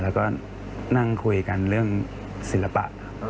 แล้วก็นั่งคุยกันเรื่องศิลปะ